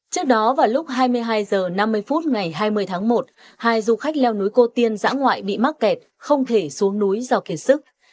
trước đó vào lúc hai mươi hai h năm mươi phút ngày hai mươi tháng một hai du khách leo núi cô tiên dã ngoại bị mắc kẹt không thể xuống núi do kiệt sức